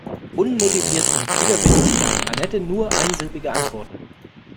Unmotiviert und widerwillig gab Anette nur einsilbige Antworten.